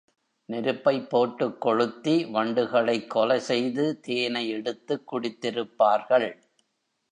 நெருப்பைப் போட்டுக் கொளுத்தி, வண்டுகளைக் கொலை செய்து தேனை எடுத்துக் குடித்திருப்பார்கள்.